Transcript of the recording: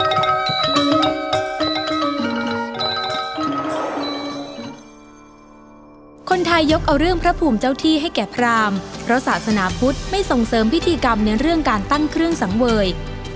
คนไทยยกเอาเรื่องพระภูมิเจ้าที่ให้แก่พรามเพราะศาสนาพุทธไม่ส่งเสริมพิธีกรรมในเรื่องการตั้งเครื่องสังเวย